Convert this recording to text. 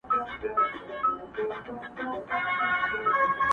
• او ښه په ډاگه درته وايمه چي ـ